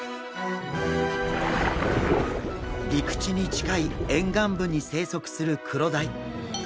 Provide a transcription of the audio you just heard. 陸地に近い沿岸部に生息するクロダイ。